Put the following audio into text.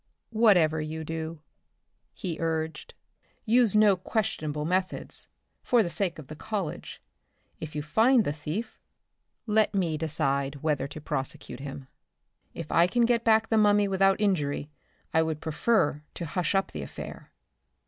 "Whatever you do," he urged, "use no questionable methods, for the sake of the College. If you find the thief, let me decide whether to prosecute him. If you can get back the mummy without injury, I would prefer to hush up the affair."